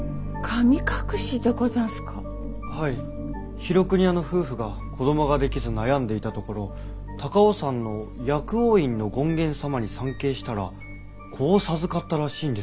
廣國屋の夫婦が子どもが出来ず悩んでいたところ高尾山の薬王院の権現様に参詣したら子を授かったらしいんですよ。